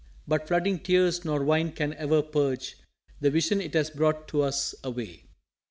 But flooding tears nor Wine can ever purge The Vision it has brought to us away."